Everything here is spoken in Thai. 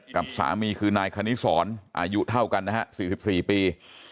กับสามีคือนายคณิสรอายุเท่ากันนะฮะ๔๔ปี